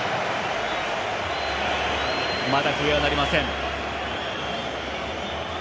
まだ笛は鳴りません。